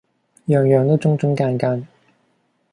樣樣都中中間間